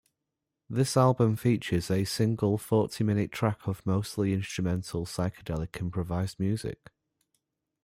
This album features a single forty minute track of mostly instrumental psychedelic improvised music.